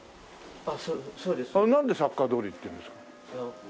あれなんでサッカー通りっていうんですか？